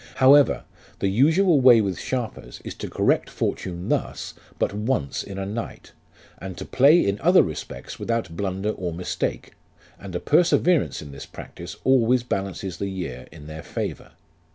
However, the usual way with sharpers is to correct fortune thus but once in a night, and to play in other respects without blunder or mistake, and a perseverance in this practice always balances the year in their favour.